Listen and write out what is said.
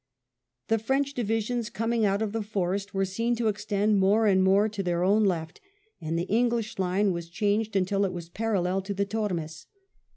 The French divisions coming out of the forest were seen to extend more and more to their own left, and the English line was changed until it was parallel to the Tormes.